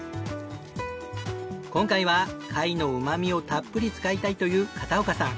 今回は貝のうま味をたっぷり使いたいという片岡さん。